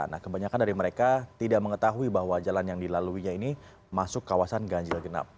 nah kebanyakan dari mereka tidak mengetahui bahwa jalan yang dilaluinya ini masuk kawasan ganjil genap